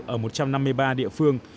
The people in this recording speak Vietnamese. ở một trăm năm mươi ba địa phương